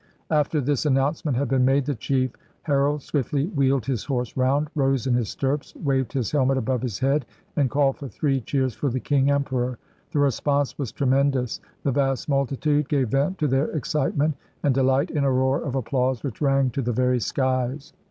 After this announcement had been made the chief her ald swiftly wheeled his horse round, rose in his stirrups, waved his helmet above his head, and called for three cheers for the King Emperor. The response was tre mendous. The vast multitude gave vent to their excite ment and delight in a roar of applause which rang to the very skies.